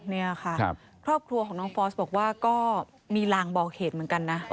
นี่ค่ะครอบครัวของน้องฟอสบอกว่าก็มีลางบอกเหตุเหมือนกันนะ